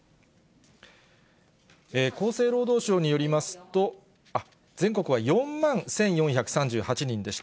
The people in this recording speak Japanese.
厚生労働省によりますと、全国は４万１４３８人でした。